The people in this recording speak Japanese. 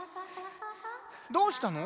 どうしたの？